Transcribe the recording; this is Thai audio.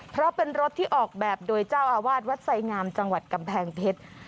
เพราะเป็นรถที่ออกแบบโดยเจ้าอาวาสวัดไสงามจังหวัดกำแพงเพชร